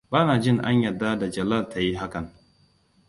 Ba na jin an yarda da Jalal ta yi hakan.